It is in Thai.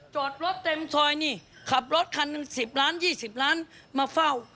จอดรถเต็มซอยขับรถคัน๑๐ล้าน๒๐ล้านมาเฝ้า